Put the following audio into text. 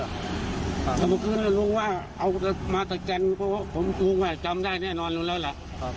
เอาขึ้นแล้วลุงว่าเอามาตะแจนเพราะว่าผมลุงไว้จำได้แน่นอนแล้วละ